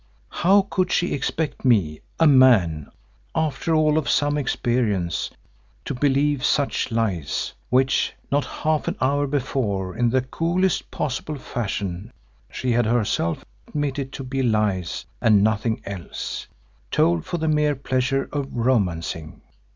How could she expect me, a man, after all, of some experience, to believe such lies, which, not half an hour before, in the coolest possible fashion she had herself admitted to be lies and nothing else, told for the mere pleasure of romancing?